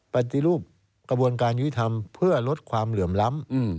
ปฏิรูปกระบวนการยุติธรรมเพื่อลดความเหลื่อมล้ำ